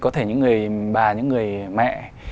có thể những người bà những người mẹ